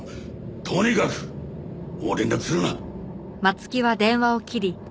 とにかくもう連絡するな。